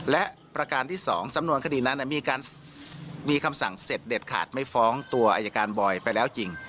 และประการที่๒สำนวนคดีนั้นมีการมีคำสั่งเสร็จเด็ดขาดไม่ฟ้องตัวอายการบอยไปแล้วจริง